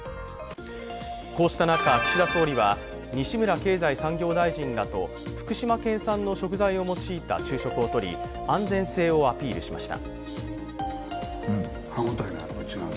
こうした中、岸田総理は西村経済産業大臣らと福島県産の食材を用いた昼食をとり安全性をアピールしました。